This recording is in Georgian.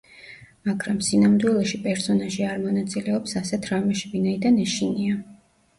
მაგრამ სინამდვილეში პერსონაჟი არ მონაწილეობს ასეთ რამეში, ვინაიდან ეშინია.